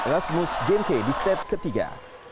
rasmus gengke di set ketiga